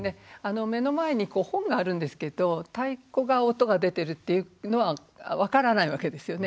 目の前に本があるんですけど太鼓が音が出てるっていうのは分からないわけですよね。